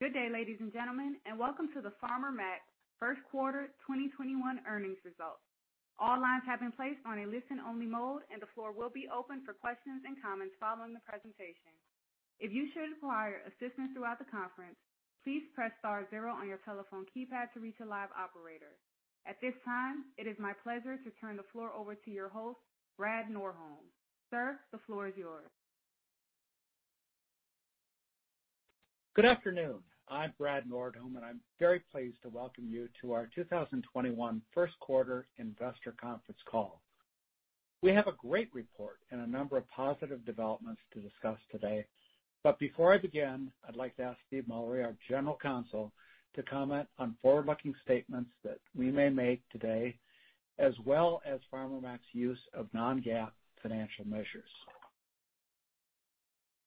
Good day, ladies and gentlemen, and welcome to the Farmer Mac first quarter 2021 earnings results. All lines have been placed on listen-only mode. And the floor will be open for questions and comments followed by the presentation. If you will inquire about assistance during the conference, please press star zero on your telephone keypad to reach the live operator. At this time, it is my pleasure to turn the floor over to your host, Brad Nordholm. Sir, the floor is yours. Good afternoon. I'm Brad Nordholm, and I'm very pleased to welcome you to our 2021 first quarter investor conference call. We have a great report and a number of positive developments to discuss today. Before I begin, I'd like to ask Steve Mullery, our General Counsel, to comment on forward-looking statements that we may make today, as well as Farmer Mac's use of non-GAAP financial measures.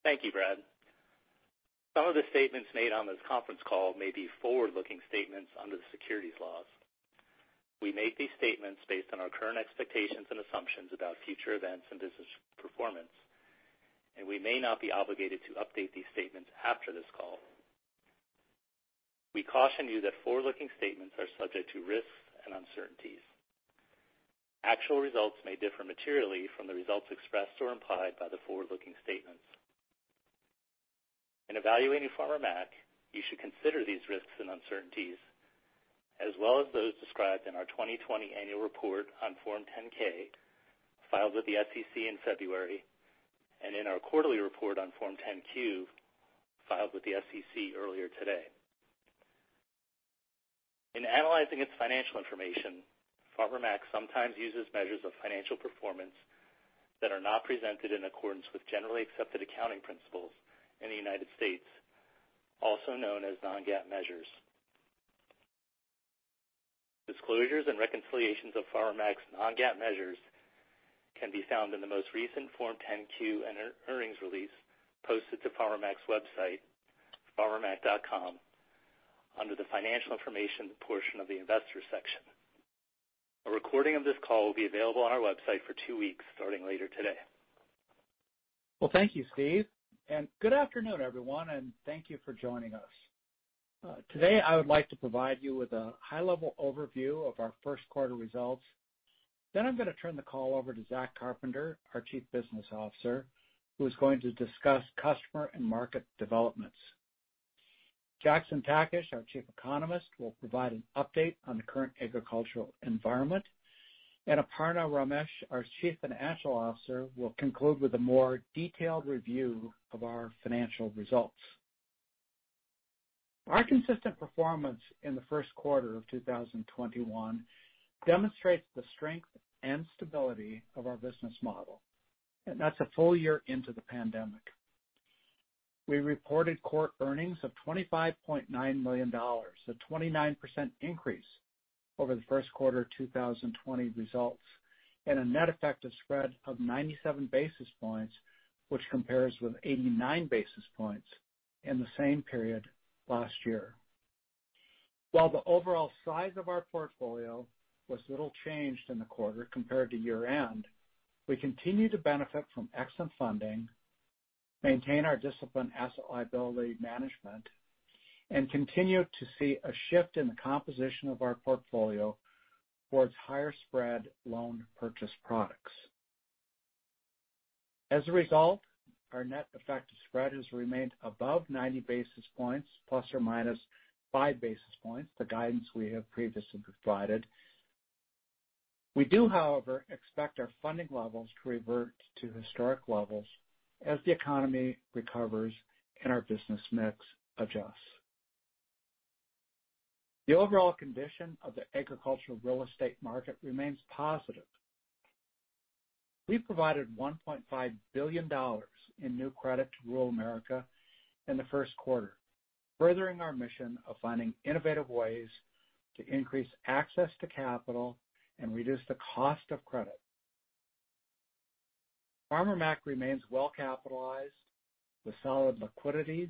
Thank you, Brad. Some of the statements made on this conference call may be forward-looking statements under the securities laws. We make these statements based on our current expectations and assumptions about future events and business performance, and we may not be obligated to update these statements after this call. We caution you that forward-looking statements are subject to risks and uncertainties. Actual results may differ materially from the results expressed or implied by the forward-looking statements. In evaluating Farmer Mac, you should consider these risks and uncertainties, as well as those described in our 2020 annual report on Form 10-K, filed with the SEC in February, and in our quarterly report on Form 10-Q, filed with the SEC earlier today. In analyzing its financial information, Farmer Mac sometimes uses measures of financial performance that are not presented in accordance with Generally Accepted Accounting Principles in the U.S., also known as non-GAAP measures. Disclosures and reconciliations of Farmer Mac's non-GAAP measures can be found in the most recent Form 10-Q and earnings release posted to Farmer Mac's website, farmermac.com, under the financial information portion of the investor section. A recording of this call will be available on our website for two weeks starting later today. Well, thank you, Steve. Good afternoon, everyone. Thank you for joining us. Today, I would like to provide you with a high-level overview of our first quarter results. I'm going to turn the call over to Zach Carpenter, our Chief Business Officer, who is going to discuss customer and market developments. Jackson Takach, our Chief Economist, will provide an update on the current agricultural environment. Aparna Ramesh, our Chief Financial Officer, will conclude with a more detailed review of our financial results. Our consistent performance in the first quarter of 2021 demonstrates the strength and stability of our business model. That's a full year into the pandemic. We reported core earnings of $25.9 million, a 29% increase over the first quarter 2020 results. A net effective spread of 97 basis points, which compares with 89 basis points in the same period last year. While the overall size of our portfolio was little changed in the quarter compared to year-end, we continue to benefit from excellent funding, maintain our disciplined asset liability management, and continue to see a shift in the composition of our portfolio towards higher spread loan purchase products. As a result, our net effective spread has remained above 90 basis points plus or minus five basis points, the guidance we have previously provided. We do, however, expect our funding levels to revert to historic levels as the economy recovers and our business mix adjusts. The overall condition of the agricultural real estate market remains positive. We provided $1.5 billion in new credit to rural America in the first quarter, furthering our mission of finding innovative ways to increase access to capital and reduce the cost of credit. Farmer Mac remains well-capitalized with solid liquidity,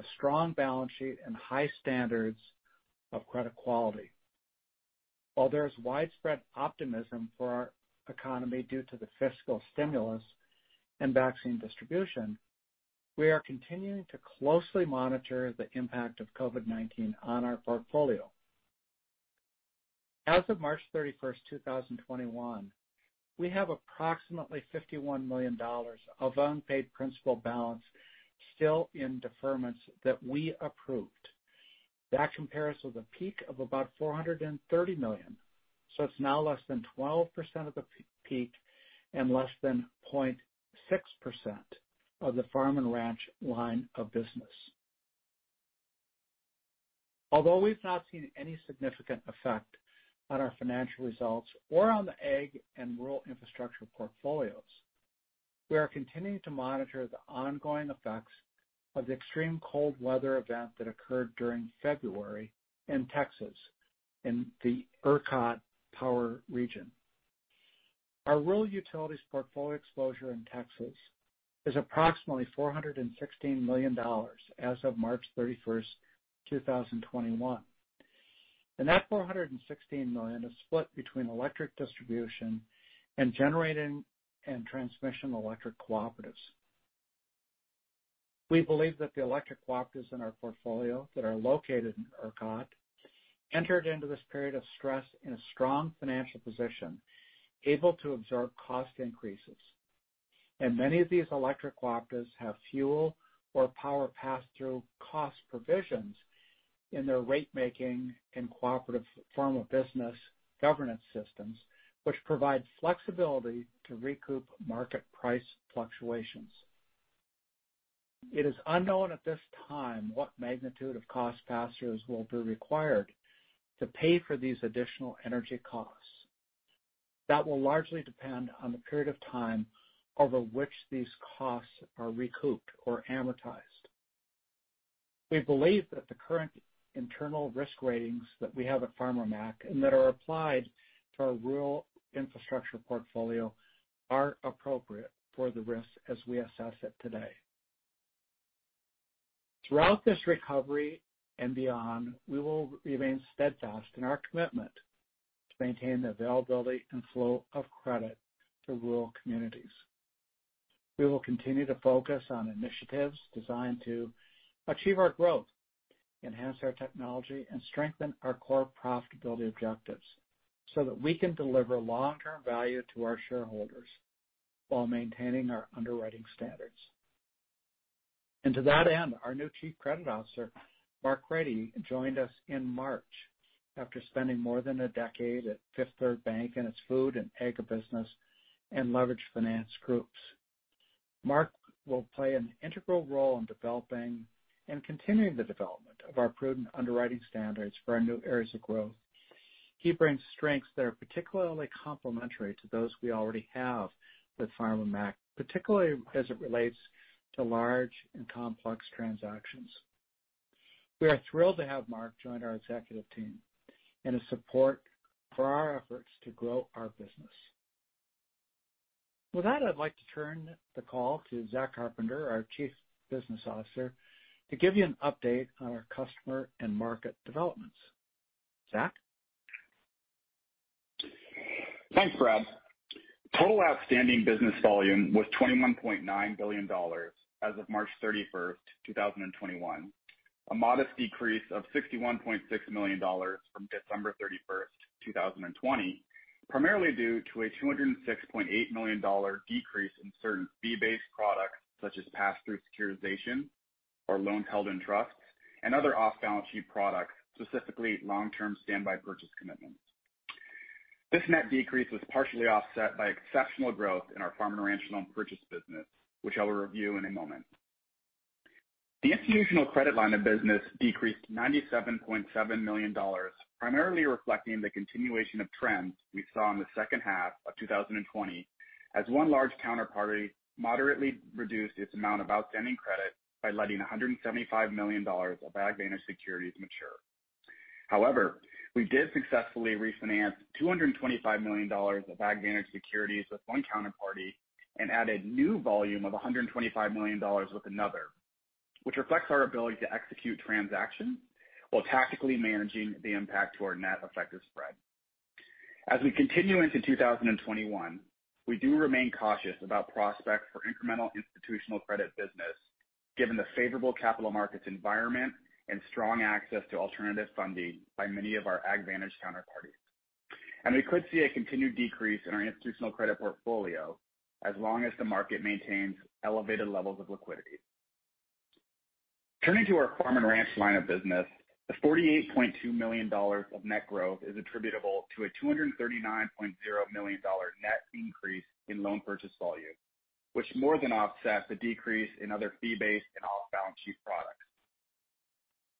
a strong balance sheet, and high standards of credit quality. While there is widespread optimism for our economy due to the fiscal stimulus and vaccine distribution, we are continuing to closely monitor the impact of COVID-19 on our portfolio. As of March 31, 2021, we have approximately $51 million of unpaid principal balance still in deferments that we approved. That compares with a peak of about $430 million, so it's now less than 12% of the peak and less than 0.6% of the farm-and-ranch line of business. Although we've not seen any significant effect on our financial results or on the ag and rural infrastructure portfolios, we are continuing to monitor the ongoing effects of the extreme cold weather event that occurred during February in Texas in the ERCOT power region. Our rural utilities portfolio exposure in Texas is approximately $416 million as of March 31st, 2021. That $416 million is split between electric distribution and generating and transmission electric cooperatives. We believe that the electric cooperatives in our portfolio that are located in ERCOT entered into this period of stress in a strong financial position, able to absorb cost increases. Many of these electric cooperatives have fuel or power pass-through cost provisions in their rate-making and cooperative form of business governance systems, which provide flexibility to recoup market price fluctuations. It is unknown at this time what magnitude of cost pass-throughs will be required to pay for these additional energy costs. That will largely depend on the period of time over which these costs are recouped or amortized. We believe that the current internal risk ratings that we have at Farmer Mac and that are applied to our rural infrastructure portfolio are appropriate for the risk as we assess it today. Throughout this recovery and beyond, we will remain steadfast in our commitment to maintain the availability and flow of credit to rural communities. We will continue to focus on initiatives designed to achieve our growth, enhance our technology, and strengthen our core profitability objectives so that we can deliver long-term value to our shareholders while maintaining our underwriting standards. To that end, our new Chief Credit Officer, Marc Crady, joined us in March after spending more than a decade at Fifth Third Bank and its food and agribusiness and leverage finance groups. Marc will play an integral role in developing and continuing the development of our prudent underwriting standards for our new areas of growth. He brings strengths that are particularly complementary to those we already have with Farmer Mac, particularly as it relates to large and complex transactions. We are thrilled to have Marc join our executive team and his support for our efforts to grow our business. With that, I'd like to turn the call to Zach Carpenter, our Chief Business Officer, to give you an update on our customer and market developments. Zach? Thanks, Brad. Total outstanding business volume was $21.9 billion as of March 31, 2021, a modest decrease of $61.6 million from December 31, 2020, primarily due to a $206.8 million decrease in certain fee-based products such as pass-through securitization or loans held in trust and other off-balance-sheet products, specifically Long-Term Standby Purchase Commitments. This net decrease was partially offset by exceptional growth in our farm-and-ranch loan purchase business, which I will review in a moment. The institutional credit line of business decreased $97.7 million, primarily reflecting the continuation of trends we saw in the second half of 2020 as one large counterparty moderately reduced its amount of outstanding credit by letting $175 million of AgVantage securities mature. We did successfully refinance $225 million of AgVantage securities with one counterparty and added new volume of $125 million with another, which reflects our ability to execute transactions while tactically managing the impact to our net effective spread. We continue into 2021; we do remain cautious about prospects for incremental institutional credit business given the favorable capital markets environment and strong access to alternative funding by many of our AgVantage counterparties. We could see a continued decrease in our institutional credit portfolio as long as the market maintains elevated levels of liquidity. Turning to our farm-and-ranch line of business, the $48.2 million of net growth is attributable to a $239.0 million net increase in loan purchase volume, which more than offsets the decrease in other fee-based and off-balance-sheet products.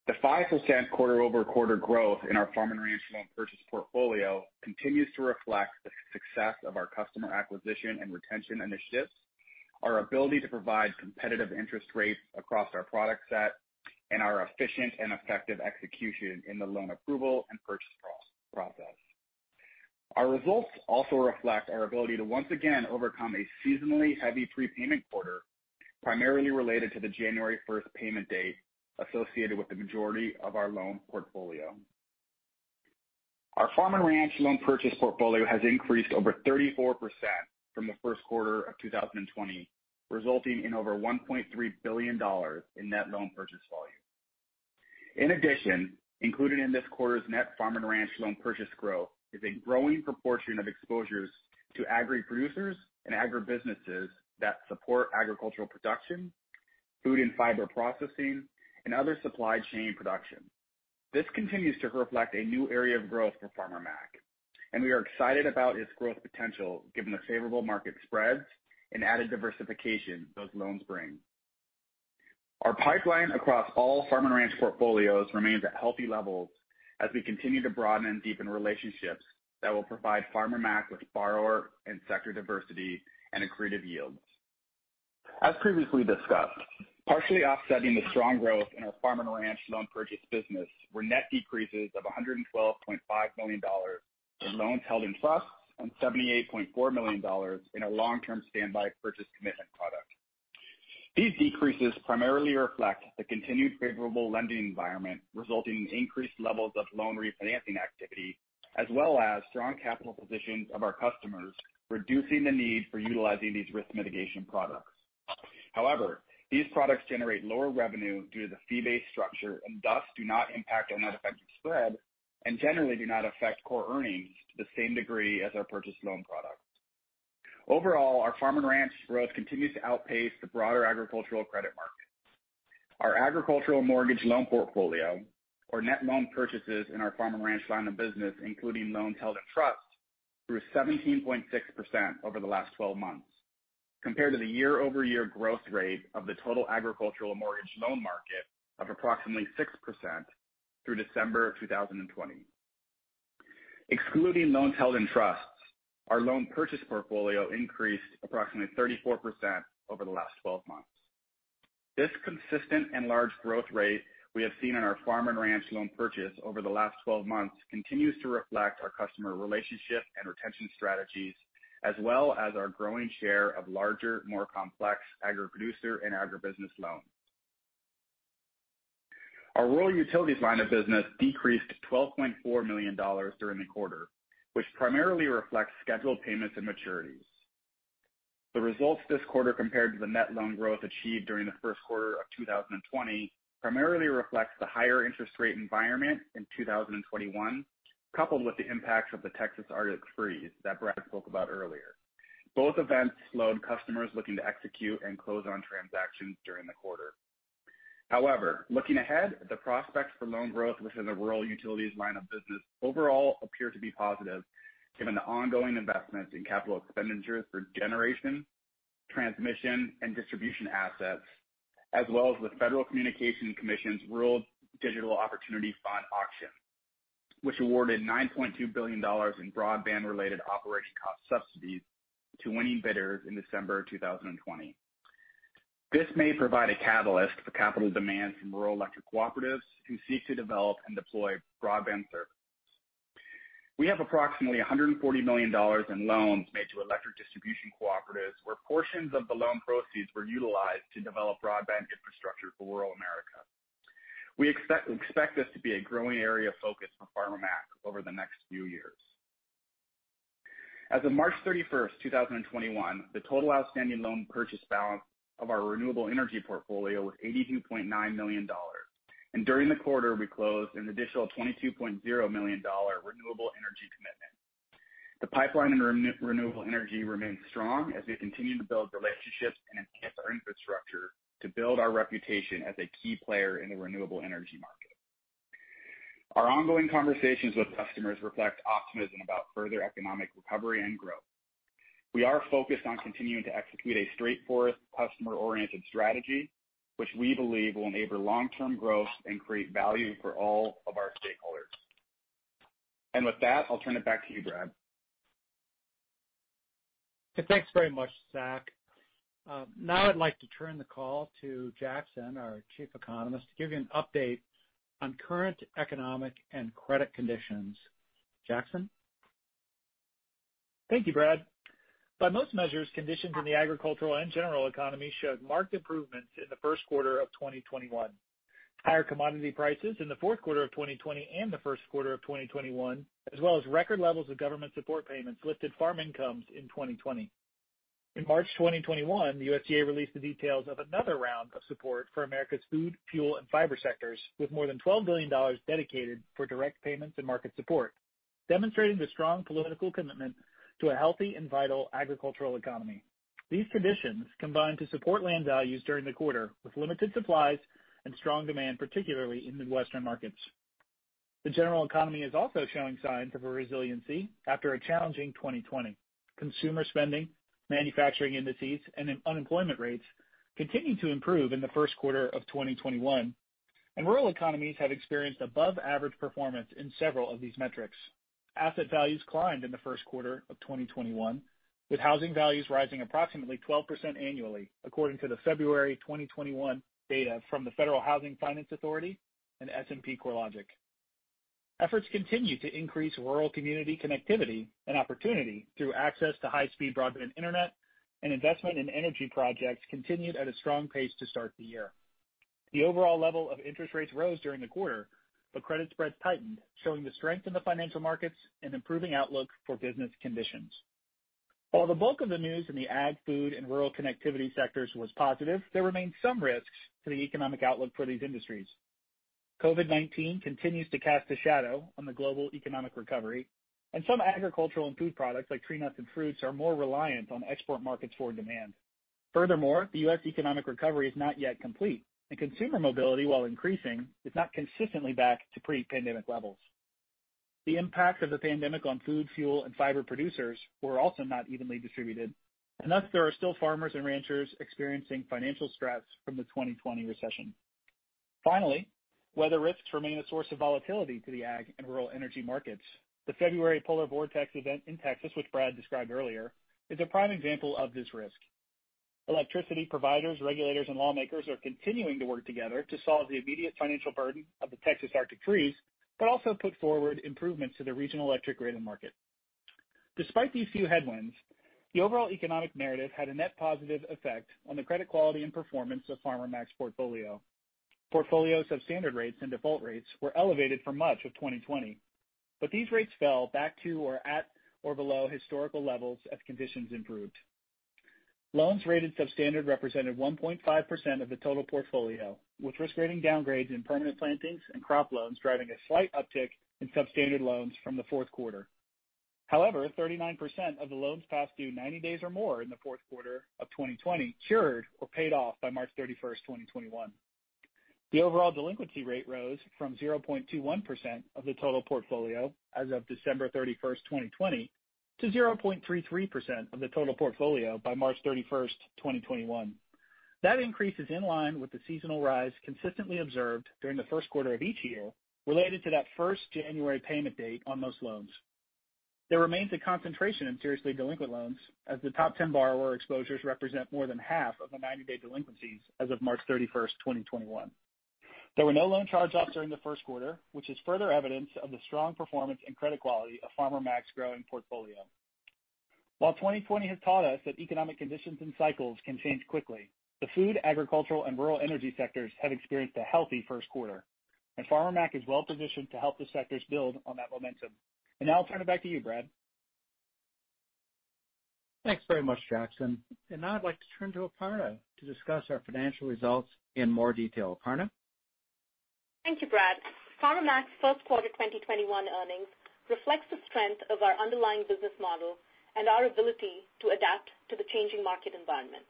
The 5% quarter-over-quarter growth in our farm-and-ranch loan purchase portfolio continues to reflect the success of our customer acquisition and retention initiatives, our ability to provide competitive interest rates across our product set, and our efficient and effective execution in the loan approval and purchase process. Our results also reflect our ability to once again overcome a seasonally heavy prepayment quarter, primarily related to the January 1st payment date associated with the majority of our loan portfolio. Our farm-and-ranch loan purchase portfolio has increased over 34% from the first quarter of 2020, resulting in over $1.3 billion in net loan purchase volume. In addition, included in this quarter's net farm-and-ranch loan purchase growth is a growing proportion of exposures to agri-producers and agribusinesses that support agricultural production, food and fiber processing, and other supply chain production. This continues to reflect a new area of growth for Farmer Mac, and we are excited about its growth potential given the favorable market spreads and added diversification those loans bring. Our pipeline across all farm-and-ranch portfolios remains at healthy levels as we continue to broaden and deepen relationships that will provide Farmer Mac with borrower and sector diversity and accretive yields. As previously discussed, partially offsetting the strong growth in our farm-and-ranch loan purchase business were net decreases of $112.5 million in loans held in trust and $78.4 million in our Long-Term Standby Purchase Commitments products. These decreases primarily reflect the continued favorable lending environment, resulting in increased levels of loan refinancing activity, as well as strong capital positions of our customers, reducing the need for utilizing these risk mitigation products. However, these products generate lower revenue due to the fee-based structure and thus do not impact our net effective spread and generally do not affect core earnings to the same degree as our purchase loan products. Overall, our farm-and-ranch growth continues to outpace the broader agricultural credit market. Our agricultural mortgage loan portfolio, or net loan purchases in our farm-and-ranch line of business, including loans held in trust, grew 17.6% over the last 12 months compared to the year-over-year growth rate of the total agricultural mortgage loan market of approximately 6% through December of 2020. Excluding loans held in trusts, our loan purchase portfolio increased approximately 34% over the last 12 months. This consistent and large growth rate we have seen in our farm-and-ranch loan purchase over the last 12 months continues to reflect our customer relationship and retention strategies, as well as our growing share of larger, more complex agriproducer and agribusiness loans. Our rural utilities line of business decreased to $12.4 million during the quarter, which primarily reflects scheduled payments and maturities. The results this quarter compared to the net loan growth achieved during the first quarter of 2020 primarily reflect the higher interest rate environment in 2021, coupled with the impacts of the Texas arctic freeze that Brad spoke about earlier. Both events slowed customers looking to execute and close on transactions during the quarter. However, looking ahead, the prospects for loan growth within the rural utilities line of business overall appear to be positive given the ongoing investments in capital expenditures for generation, transmission, and distribution assets, as well as the Federal Communications Commission's Rural Digital Opportunity Fund auction, which awarded $9.2 billion in broadband-related operation cost subsidies to winning bidders in December 2020. This may provide a catalyst for capital demand from rural electric cooperatives who seek to develop and deploy broadband services. We have approximately $140 million in loans made to electric distribution cooperatives, where portions of the loan proceeds were utilized to develop broadband infrastructure for rural America. We expect this to be a growing area of focus for Farmer Mac over the next few years. As of March 31st, 2021, the total outstanding loan purchase balance of our renewable energy portfolio was $82.9 million, and during the quarter, we closed an additional $22.0 million renewable energy commitment. The pipeline in renewable energy remains strong as we continue to build relationships and enhance our infrastructure to build our reputation as a key player in the renewable energy market. Our ongoing conversations with customers reflect optimism about further economic recovery and growth. With that, I'll turn it back to you, Brad. Thanks very much, Zach. I'd like to turn the call to Jackson, our Chief Economist, to give you an update on current economic and credit conditions. Jackson? Thank you, Brad. By most measures, conditions in the agricultural and general economy showed marked improvements in the first quarter of 2021. Higher commodity prices in the fourth quarter of 2020 and the first quarter of 2021, as well as record levels of government support payments, lifted farm incomes in 2020. In March 2021, the USDA released the details of another round of support for America's food, fuel, and fiber sectors with more than $12 billion dedicated for direct payments and market support, demonstrating the strong political commitment to a healthy and vital agricultural economy. These conditions combine to support land values during the quarter, with limited supplies and strong demand, particularly in Midwestern markets. The general economy is also showing signs of resiliency after a challenging 2020. Consumer spending, manufacturing indices, and unemployment rates continue to improve in the first quarter of 2021, and rural economies have experienced above-average performance in several of these metrics. Asset values climbed in the first quarter of 2021, with housing values rising approximately 12% annually, according to the February 2021 data from the Federal Housing Finance Agency and S&P CoreLogic. Efforts continue to increase rural community connectivity and opportunity through access to high-speed broadband internet, and investment in energy projects continued at a strong pace to start the year. The overall level of interest rates rose during the quarter, but credit spreads tightened, showing the strength in the financial markets and improving the outlook for business conditions. While the bulk of the news in the ag, food, and rural connectivity sectors was positive, there remain some risks to the economic outlook for these industries. COVID-19 continues to cast a shadow on the global economic recovery, and some agricultural and food products like tree nuts and fruits are more reliant on export markets for demand. Furthermore, the U.S. economic recovery is not yet complete, and consumer mobility, while increasing, is not consistently back to pre-pandemic levels. The impact of the pandemic on food, fuel, and fiber producers was also not evenly distributed, and thus there are still farmers and ranchers experiencing financial stress from the 2020 recession. Finally, weather risks remain a source of volatility to the ag and rural energy markets. The February polar vortex event in Texas, which Brad described earlier, is a prime example of this risk. Electricity providers, regulators, and lawmakers are continuing to work together to solve the immediate financial burden of the Texas arctic freeze, but also put forward improvements to the regional electric grid and market. Despite these few headwinds, the overall economic narrative had a net positive effect on the credit quality and performance of Farmer Mac's portfolio. Portfolio substandard rates and default rates were elevated for much of 2020, but these rates fell back to or at or below historical levels as conditions improved. Loans rated substandard represented 1.5% of the total portfolio, with risk rating downgrades in permanent plantings and crop loans driving a slight uptick in substandard loans from the fourth quarter. However, 39% of the loans past due 90 days or more in the fourth quarter of 2020 cured or paid off by March 31st, 2021. The overall delinquency rate rose from 0.21% of the total portfolio as of December 31st, 2020, to 0.33% of the total portfolio by March 31st, 2021. That increase is in line with the seasonal rise consistently observed during the first quarter of each year related to that first January payment date on most loans. There remains a concentration in seriously delinquent loans as the top 10 borrower exposures represent more than half of the 90-day delinquencies as of March 31st, 2021. There were no loan charge-offs during the first quarter, which is further evidence of the strong performance and credit quality of Farmer Mac's growing portfolio. While 2020 has taught us that economic conditions and cycles can change quickly, the food, agricultural, and rural energy sectors have experienced a healthy first quarter, and Farmer Mac is well-positioned to help the sectors build on that momentum. Now I'll turn it back to you, Brad. Thanks very much, Jackson. Now I'd like to turn to Aparna to discuss our financial results in more detail. Aparna? Thank you, Brad. Farmer Mac's first quarter 2021 earnings reflect the strength of our underlying business model and our ability to adapt to the changing market environment.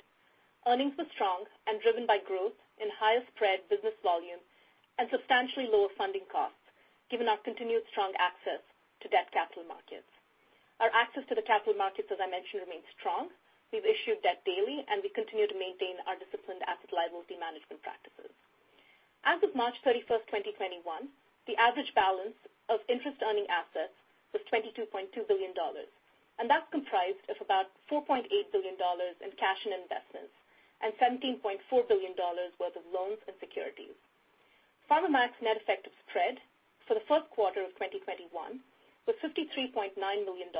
Earnings were strong and driven by growth in higher spread business volume and substantially lower funding costs given our continued strong access to debt capital markets. Our access to the capital markets, as I mentioned, remains strong. We've issued debt daily, and we continue to maintain our disciplined asset liability management practices. As of March 31st, 2021, the average balance of interest-earning assets was $22.2 billion, and that's comprised of about $4.8 billion in cash and investments and $17.4 billion worth of loans and securities. Farmer Mac's net effective spread for the first quarter of 2021 was $53.9 million.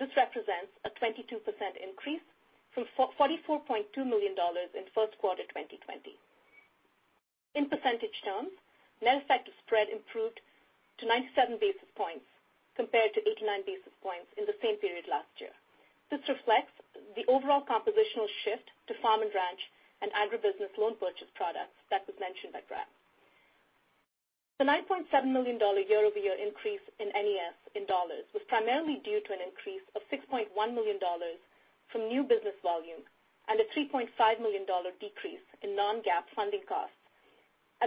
This represents a 22% increase from $44.2 million in first quarter 2020. In percentage terms, net effective spread improved to 97 basis points compared to 89 basis points in the same period last year. This reflects the overall compositional shift to farm-and-ranch and agribusiness loan purchase products that was mentioned by Brad. The $9.7 million year-over-year increase in NES in dollars was primarily due to an increase of $6.1 million from new business volume and a $3.5 million decrease in non-GAAP funding costs.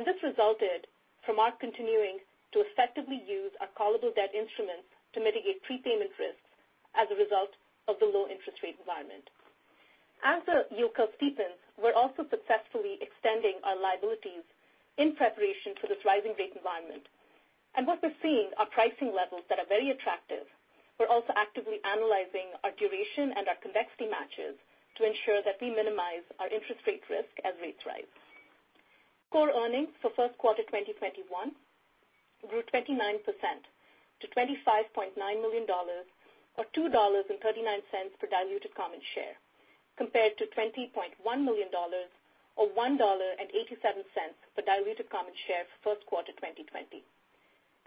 This resulted from our continuing to effectively use our callable debt instruments to mitigate prepayment risks as a result of the low interest rate environment. As the yield curve steepens, we're also successfully extending our liabilities in preparation for this rising rate environment. What we're seeing are pricing levels that are very attractive. We're also actively analyzing our duration and our convexity matches to ensure that we minimize our interest rate risk as rates rise. Core earnings for first quarter 2021 grew 29% to $25.9 million, or $2.39 per diluted common share, compared to $20.1 million, or $1.87 per diluted common share for first quarter 2020.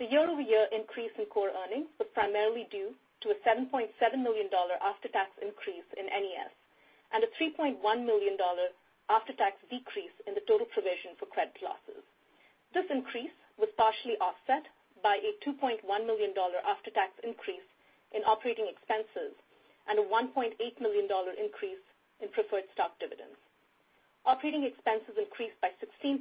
The year-over-year increase in core earnings was primarily due to a $7.7 million after-tax increase in NES and a $3.1 million after-tax decrease in the total provision for credit losses. This increase was partially offset by a $2.1 million after-tax increase in operating expenses and a $1.8 million increase in preferred stock dividends. Operating expenses increased by 16%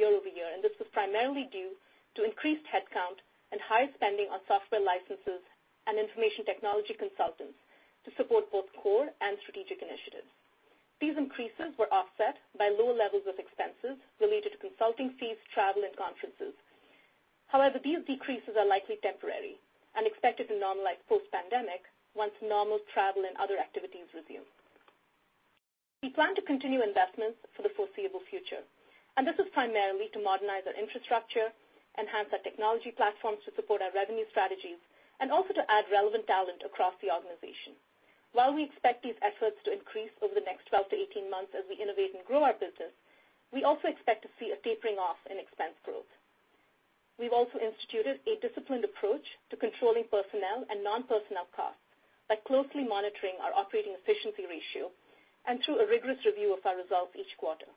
year-over-year, and this was primarily due to increased headcount and higher spending on software licenses and information technology consultants to support both core and strategic initiatives. These increases were offset by lower levels of expenses related to consulting fees, travel, and conferences. However, these decreases are likely temporary and expected to normalize post-pandemic once normal travel and other activities resume. We plan to continue investments for the foreseeable future. This is primarily to modernize our infrastructure, enhance our technology platforms to support our revenue strategies, and also to add relevant talent across the organization. While we expect these efforts to increase over the next 12-18 months as we innovate and grow our business, we also expect to see a tapering off in expense growth. We've also instituted a disciplined approach to controlling personnel and non-personnel costs by closely monitoring our operating efficiency ratio and through a rigorous review of our results each quarter.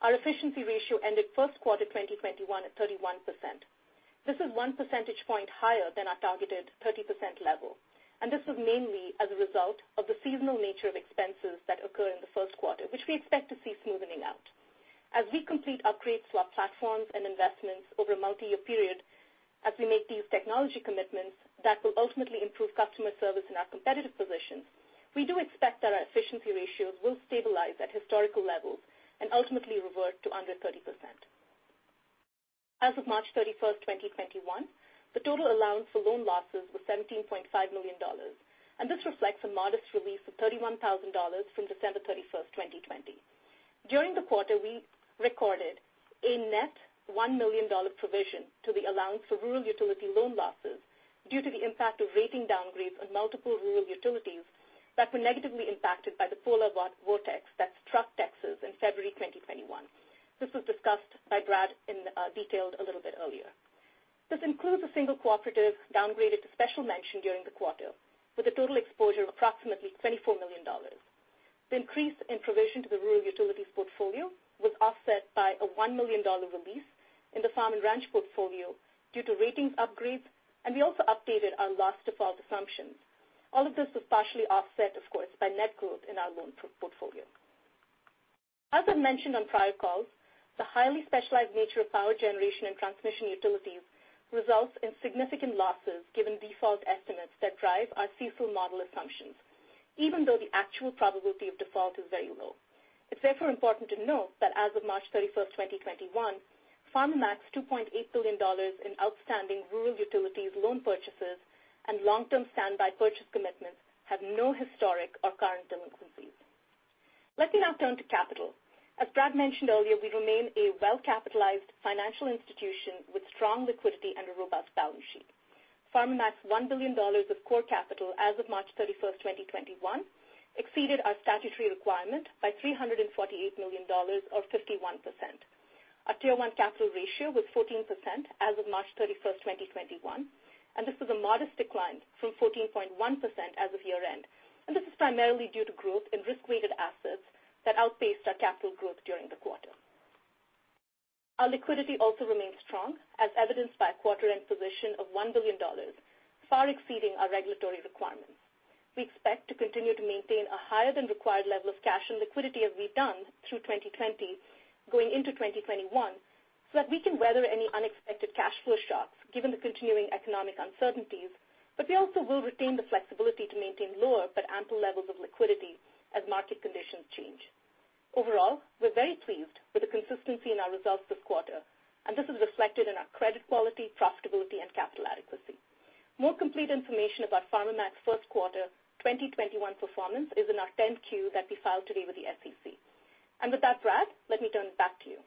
Our efficiency ratio ended first quarter 2021 at 31%. This is one percentage point higher than our targeted 30% level. This was mainly as a result of the seasonal nature of expenses that occur in the first quarter, which we expect to see smoothening out. As we complete upgrades to our platforms and investments over a multiyear period, as we make these technology commitments that will ultimately improve customer service and our competitive positions, we do expect that our efficiency ratio will stabilize at historical levels and ultimately revert to under 30%. As of March 31, 2021, the total allowance for loan losses was $17.5 million, and this reflects a modest release of $31,000 from December 31, 2020. During the quarter, we recorded a net $1 million provision to the allowance for rural utility loan losses due to the impact of rating downgrades on multiple rural utilities that were negatively impacted by the polar vortex that struck Texas in February 2021. This was discussed by Brad in detail a little bit earlier. This includes a single cooperative downgraded to special mention during the quarter, with a total exposure of approximately $24 million. The increase in provision to the rural utilities portfolio was offset by a $1 million release in the farm-and-ranch portfolio due to ratings upgrades. We also updated our loss default assumptions. All of this was partially offset, of course, by net growth in our loan portfolio. As I've mentioned on prior calls, the highly specialized nature of power generation and transmission utilities results in significant losses given default estimates that drive our CECL model assumptions, even though the actual probability of default is very low. It's therefore important to note that as of March 31, 2021, Farmer Mac's $2.8 billion in outstanding rural utilities loan purchases and Long-Term Standby Purchase Commitments have no historic or current delinquencies. Let me now turn to capital. As Brad mentioned earlier, we remain a well-capitalized financial institution with strong liquidity and a robust balance sheet. Farmer Mac's $1 billion of core capital as of March 31st, 2021, exceeded our statutory requirement by $348 million or 51%. Our Tier 1 capital ratio was 14% as of March 31st, 2021, and this was a modest decline from 14.1% as of year-end. This is primarily due to growth in risk-weighted assets that outpaced our capital growth during the quarter. Our liquidity also remains strong, as evidenced by a quarter-end position of $1 billion, far exceeding our regulatory requirements. We expect to continue to maintain a higher than required level of cash and liquidity as we've done through 2020 going into 2021, so that we can weather any unexpected cash flow shocks given the continuing economic uncertainties. We also will retain the flexibility to maintain lower but ample levels of liquidity as market conditions change. Overall, we're very pleased with the consistency in our results this quarter, and this is reflected in our credit quality, profitability, and capital adequacy. More complete information about Farmer Mac's first quarter 2021 performance is in our 10-Q that we filed today with the SEC. With that, Brad, let me turn it back to you.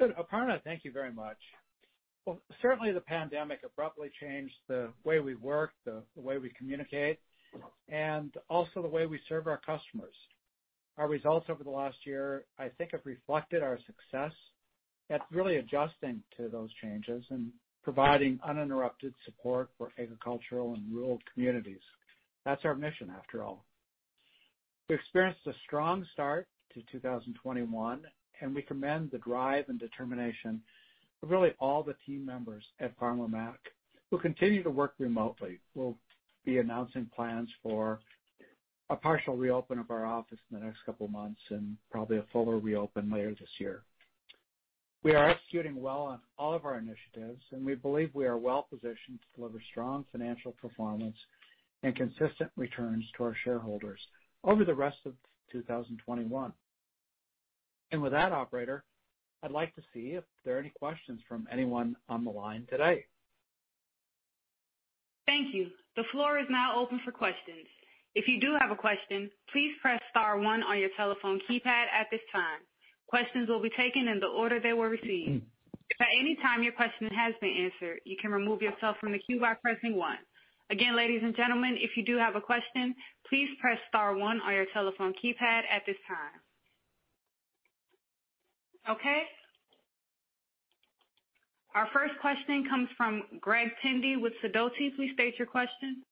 Good. Aparna, thank you very much. Well, certainly the pandemic abruptly changed the way we work, the way we communicate, and also the way we serve our customers. Our results over the last year, I think, have reflected our success at really adjusting to those changes and providing uninterrupted support for agricultural and rural communities. That's our mission after all. We experienced a strong start to 2021, and we commend the drive and determination of really all the team members at Farmer Mac who continue to work remotely. We'll be announcing plans for a partial reopen of our office in the next couple of months and probably a fuller reopen later this year. We are executing well on all of our initiatives, and we believe we are well positioned to deliver strong financial performance and consistent returns to our shareholders over the rest of 2021. With that operator, I'd like to see if there are any questions from anyone on the line today. Thank you. The floor is now open for questions. If you do have a question, please press star one on your telephone keypad at this time. Questions will be taken in the order they were received. If at any time your question has been answered, you can remove yourself from the queue by pressing one. Again, ladies and gentlemen, if you do have a question, please press star one on your telephone keypad at this time. Our first question comes from Greg Tardi with Sidoti. Please state your question.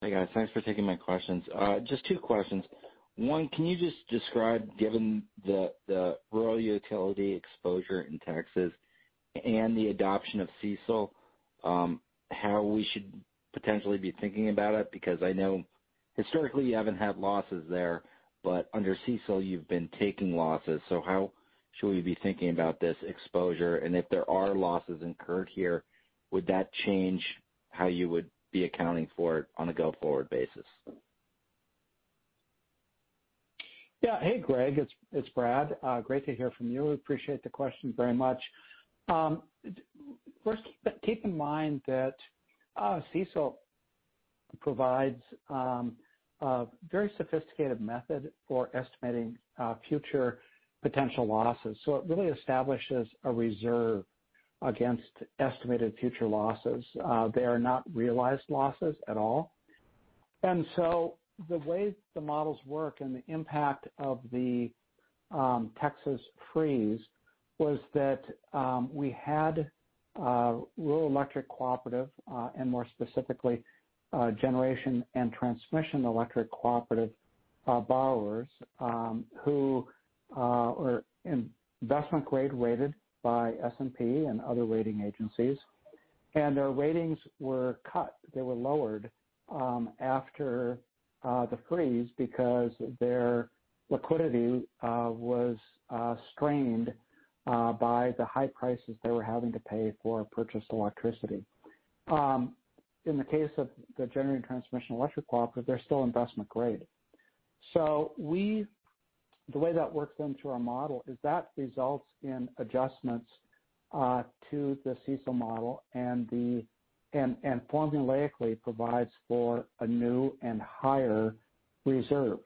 Hey, guys. Thanks for taking my questions. Just two questions. One, can you just describe, given the rural utility exposure in Texas and the adoption of CECL, how we should potentially be thinking about it? I know historically you haven't had losses there, but under CECL you've been taking losses, so how should we be thinking about this exposure? If there are losses incurred here, would that change how you would be accounting for it on a go-forward basis? Yeah. Hey, Greg, it's Brad. Great to hear from you. Appreciate the question very much. First, keep in mind that CECL provides a very sophisticated method for estimating future potential losses. It really establishes a reserve against estimated future losses. They are not realized losses at all. The way the models work and the impact of the Texas freeze was that we had rural electric cooperatives, and more specifically, generation and transmission electric cooperative borrowers who are investment-grade rated by S&P and other rating agencies. Their ratings were cut. They were lowered after the freeze because their liquidity was strained by the high prices they were having to pay for purchased electricity. In the case of the generation transmission electric cooperative, they're still investment grade. The way that works into our model is that it results in adjustments to the CECL model and formulaically provides for a new and higher reserve.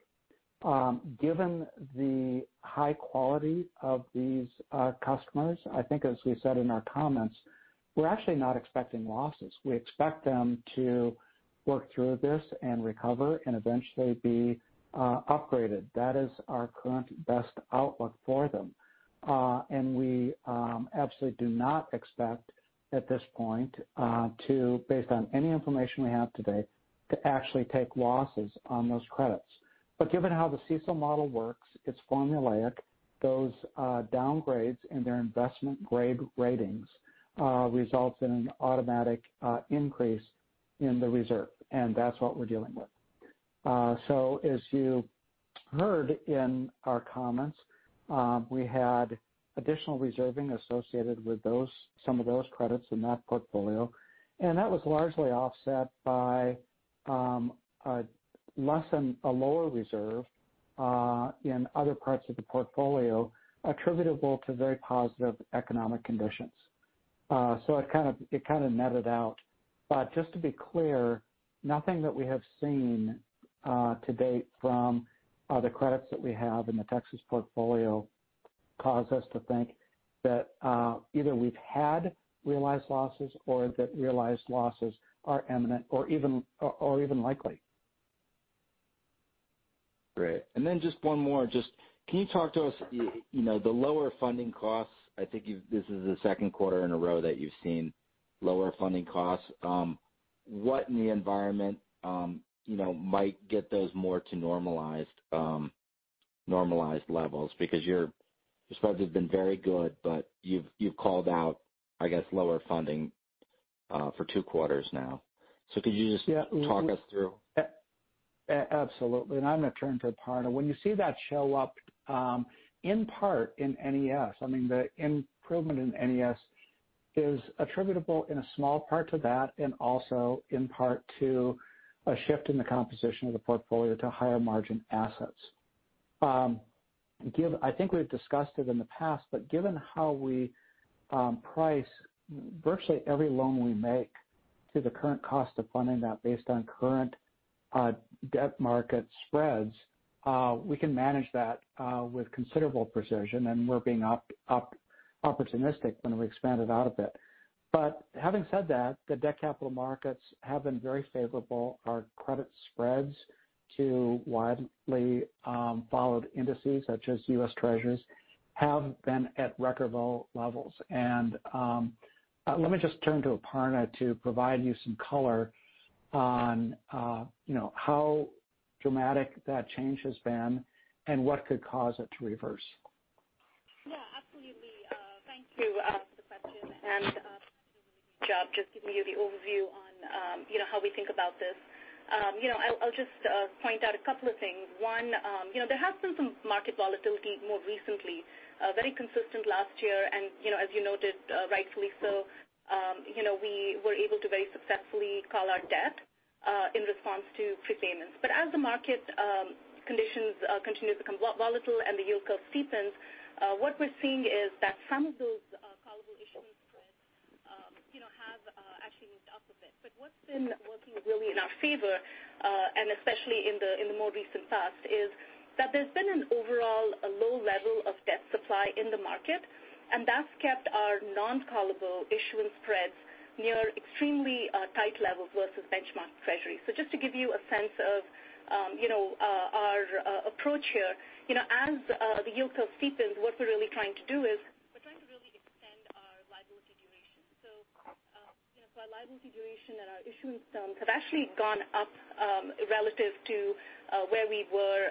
Given the high quality of these customers, I think as we said in our comments, we're actually not expecting losses. We expect them to work through this and recover and eventually be upgraded. That is our current best outlook for them. We absolutely do not expect, at this point, based on any information we have today, to actually take losses on those credits. Given how the CECL model works, it's formulaic. Those downgrades in their investment-grade ratings results in an automatic increase in the reserve. That's what we're dealing with. As you heard in our comments, we had additional reserving associated with some of those credits in that portfolio, and that was largely offset by a lower reserve in other parts of the portfolio attributable to very positive economic conditions. It kind of netted out. Just to be clear, nothing that we have seen to date from the credits that we have in the Texas portfolio cause us to think that either we've had realized losses or that realized losses are imminent or even likely. Great. Just one more. Can you talk to us, the lower funding costs, I think this is the second quarter in a row that you've seen lower funding costs. What in the environment might get those more to normalized levels? Your spreads have been very good, but you've called out, I guess, lower funding for two quarters now. Could you just talk us through? Absolutely. I'm going to turn to Aparna. When you see that show up in part in NES, the improvement in NES is attributable in a small part to that and also in part to a shift in the composition of the portfolio to higher margin assets. I think we've discussed it in the past, but given how we price virtually every loan we make to the current cost of funding that based on current debt market spreads, we can manage that with considerable precision, and we're being opportunistic when we expand it out a bit. Having said that, the debt capital markets have been very favorable. Our credit spreads to widely followed indices such as U.S. Treasuries have been at record low levels. Let me just turn to Aparna to provide you some color on how dramatic that change has been and what could cause it to reverse. Yeah, absolutely. Thank you for the question and good job just giving you the overview on how we think about this. I'll just point out a couple of things. One, there has been some market volatility more recently. Very consistent last year, and as you noted, rightfully so. We were able to very successfully call our debt in response to prepayments. As the market conditions continue to become volatile and the yield curve steepens what we're seeing is that some of those callable issuance spreads have actually moved up a bit. What's been working really in our favor, and especially in the more recent past, is that there's been an overall low level of debt supply in the market, and that's kept our non-callable issuance spreads near extremely tight levels versus benchmark Treasury. Just to give you a sense of our approach here. As the yield curve steepens, what we're really trying to do is we're trying to really extend our liability duration. Our liability duration and our issuance terms have actually gone up relative to where we were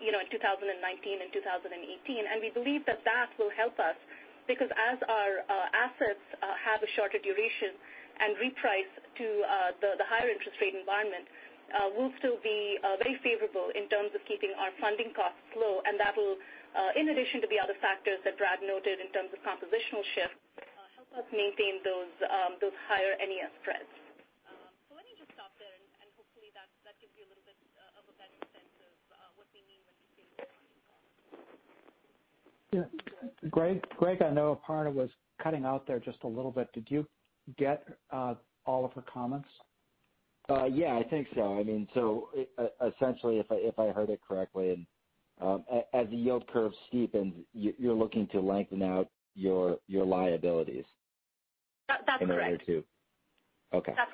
in 2019 and 2018. We believe that that will help us because as our assets have a shorter duration and reprice to the higher interest rate environment, we'll still be very favorable in terms of keeping our funding costs low. That'll, in addition to the other factors that Brad noted in terms of compositional shift, help us maintain those higher NES spreads. Let me just stop there, and hopefully that gives you a little bit of a better sense of what we mean. Yeah. Greg, I know Aparna was cutting out there just a little bit. Did you get all of her comments? Yeah, I think so. Essentially, if I heard it correctly, as the yield curve steepens, you're looking to lengthen out your liabilities. That's correct. Okay. That's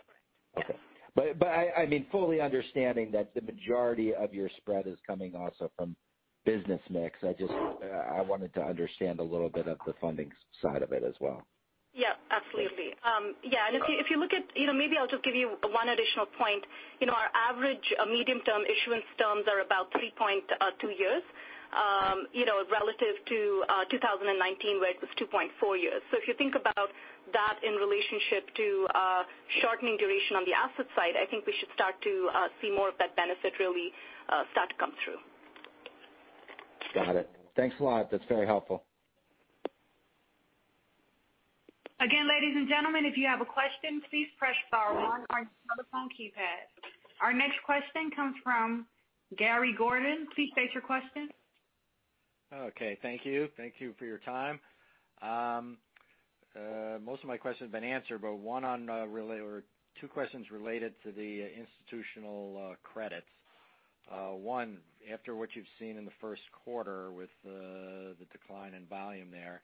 correct. Yes. Okay. Fully understanding that the majority of your spread is also coming from business mix. I wanted to understand a little bit of the funding side of it as well. Yeah, absolutely. Yeah. Maybe I'll just give you one additional point. Our average medium-term issuance terms are about 3.2 years relative to 2019 where it was 2.4 years. If you think about that in relationship to shortening duration on the asset side, I think we should start to see more of that benefit really start to come through. Got it. Thanks a lot. That's very helpful. Again, ladies and gentlemen, if you have a question, please press star one on your telephone keypad. Our next question comes from Gary Gordon. Please state your question. Okay, thank you. Thank you for your time. Most of my questions have been answered, Two questions related to the institutional credits. One, after what you've seen in the first quarter with the decline in volume there,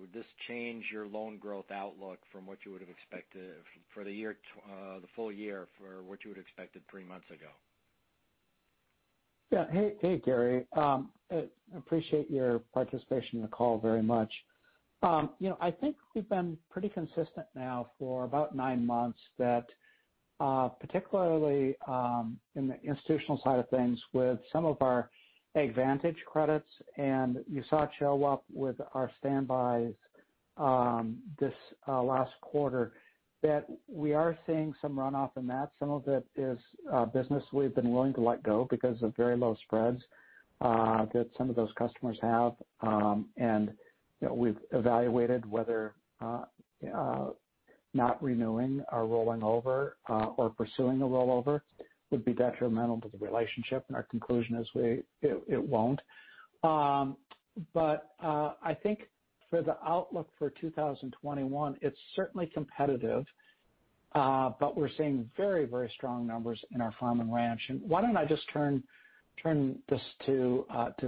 would this change your loan growth outlook from what you would've expected for the full year for what you would've expected three months ago? Yeah. Hey, Gary. Appreciate your participation in the call very much. I think we've been pretty consistent now for about nine months that particularly in the institutional side of things with some of our AgVantage credits, and you saw it show up with our standbys this last quarter, that we are seeing some runoff in that. Some of it is business we've been willing to let go because of very low spreads that some of those customers have. We've evaluated whether not renewing or rolling over, or pursuing a rollover, would be detrimental to the relationship. Our conclusion is it won't. I think for the outlook for 2021, it's certainly competitive, but we're seeing very, very strong numbers in our farm and ranch. Why don't I just turn this to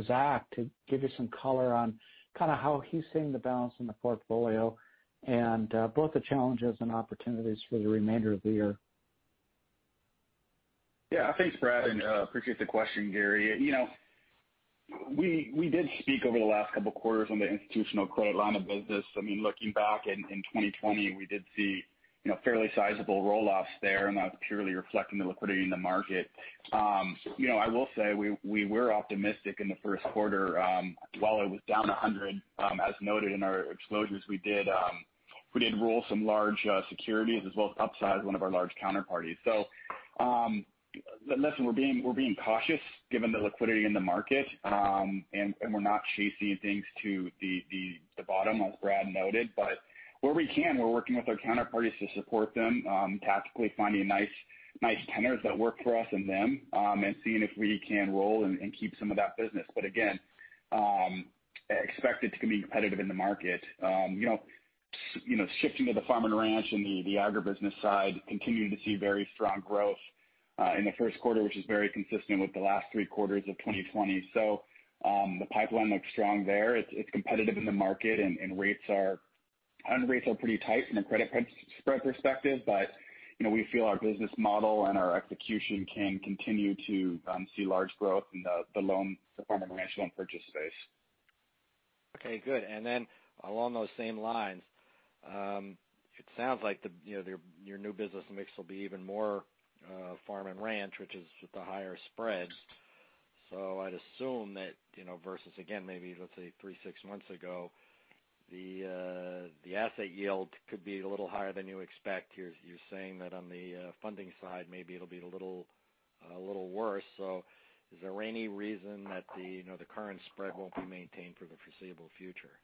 Zach to give you some color on kind of how he's seeing the balance in the portfolio and both the challenges and opportunities for the remainder of the year? Yeah. Thanks, Brad, and appreciate the question, Gary. We did speak over the last couple of quarters on the institutional credit line of business. Looking back in 2020, we did see fairly sizable roll-offs there, and that was purely reflecting the liquidity in the market. I will say we were optimistic in the first quarter. While it was down 100, as noted in our disclosures, we did roll some large securities as well as upsize one of our large counterparties. Listen, we're being cautious given the liquidity in the market. We're not chasing things to the bottom, as Brad noted. Where we can, we're working with our counterparties to support them, tactically finding nice tenors that work for us and them, and seeing if we can roll and keep some of that business. Again, expect it to be competitive in the market. Shifting to the farm-and-ranch and the agribusiness side, continuing to see very strong growth in the first quarter, which is very consistent with the last three quarters of 2020. The pipeline looks strong there. It's competitive in the market, and rates are pretty tight from a credit spread perspective. We feel our business model and our execution can continue to see large growth in the farm-and-ranch loan purchase space. Okay, good. Along those same lines, it sounds like your new business mix will be even more farm-and-ranch, which is with the higher spreads. I'd assume that versus again, maybe let's say three, six months ago, the asset yield could be a little higher than you expect. You're saying that on the funding side, maybe it'll be a little worse. Is there any reason that the current spread won't be maintained for the foreseeable future?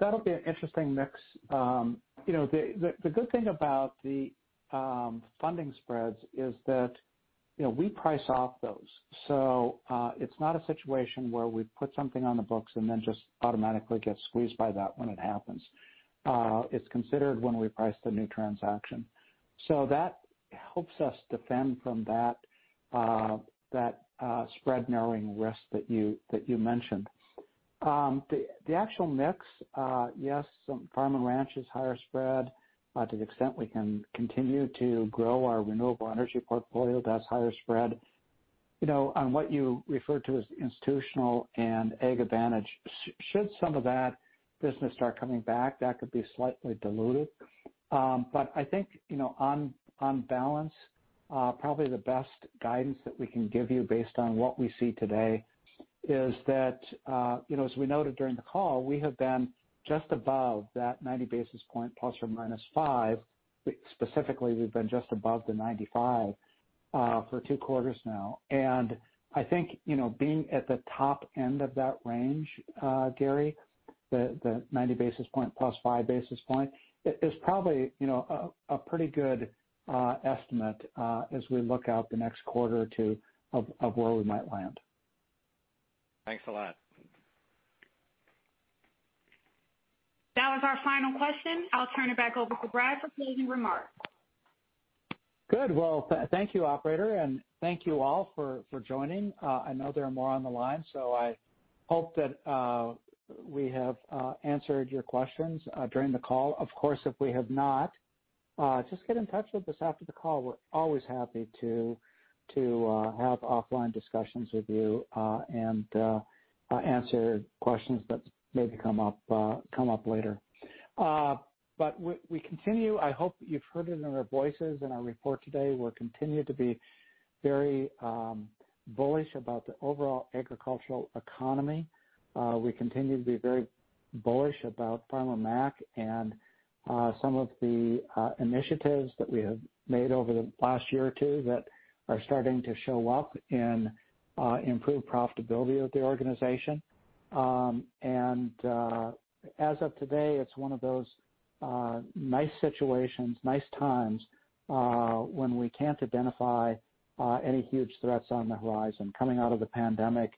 That'll be an interesting mix. The good thing about the funding spreads is that we price off those. It's not a situation where we put something on the books and then just automatically get squeezed by that when it happens. It's considered when we price the new transaction. That helps us defend from that spread narrowing risk that you mentioned. The actual mix, yes, some farm and ranch is higher spread. To the extent we can continue to grow our renewable energy portfolio, that's higher spread. What you referred to as institutional and AgVantage, should some of that business start coming back, that could be slightly diluted. I think, on balance, probably the best guidance that we can give you based on what we see today is that as we noted during the call, we have been just above that 90 basis points, ±5. Specifically, we've been just above the 95 for two quarters now. I think being at the top end of that range, Gary, the 90 basis points plus five basis points is probably a pretty good estimate as we look out the next quarter or two of where we might land. Thanks a lot. That was our final question. I'll turn it back over to Brad for closing remarks. Good. Well, thank you, operator, and thank you all for joining. I know there are more on the line, so I hope that we have answered your questions during the call. Of course, if we have not, just get in touch with us after the call. We're always happy to have offline discussions with you and answer questions that maybe come up later. We continue, I hope you've heard it in our voices and our report today, we'll continue to be very bullish about the overall agricultural economy. We continue to be very bullish about Farmer Mac and some of the initiatives that we have made over the past year or two that are starting to show up in improved profitability of the organization. As of today, it's one of those nice situations, nice times, when we can't identify any huge threats on the horizon. Coming out of the pandemic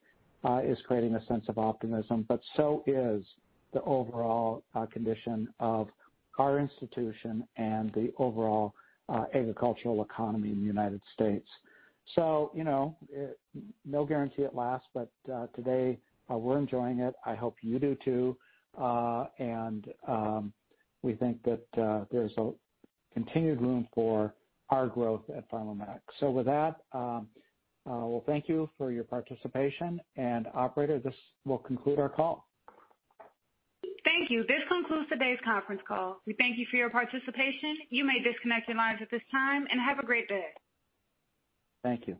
is creating a sense of optimism, but so is the overall condition of our institution and the overall agricultural economy in the United States. No guarantee it lasts, but today we're enjoying it. I hope you do too. We think that there's continued room for our growth at Farmer Mac. With that, well, thank you for your participation. Operator, this will conclude our call. Thank you. This concludes today's conference call. We thank you for your participation. You may disconnect your lines at this time and have a great day. Thank you.